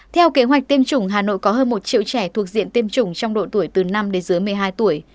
theo kế hoạch tiêm chủng hà nội có hơn một triệu trẻ thuộc diện tiêm chủng trong độ tuổi từ năm đến dưới một mươi hai tuổi